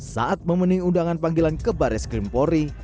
saat memenuhi undangan panggilan ke baris krim polri